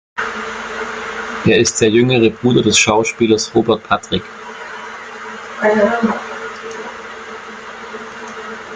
Er ist der jüngere Bruder des Schauspielers Robert Patrick.